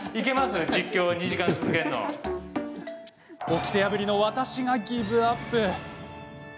おきて破りの私がギブアップ。